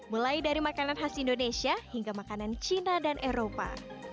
mulai dari makanan khas indonesia hingga makanan cina dan eropa